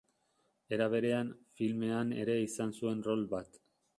Era berean, filmean ere izan zuen rol bat.